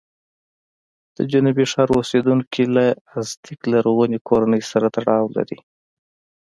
د جنوبي ښار اوسېدونکي له ازتېک لرغونې کورنۍ سره تړاو لري.